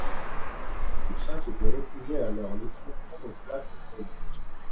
Le chien s’était refusé à leur laisser prendre place au foyer.